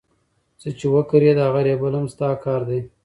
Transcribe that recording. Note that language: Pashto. څه چي وکرې د هغه رېبل هم ستا کار دئ.